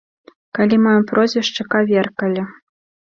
Калі маё прозвішча каверкалі.